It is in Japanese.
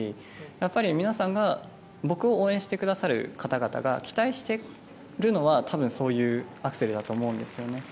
やっぱり皆さんが僕を応援してくださる方々が期待しているのはアクセルだと思うんですよね。